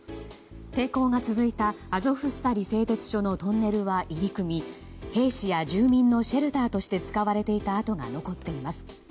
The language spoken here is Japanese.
抵抗が続いたアゾフスタリ製鉄所のトンネルは入り組み、兵士や住民のシェルターとして使われていた跡が残っています。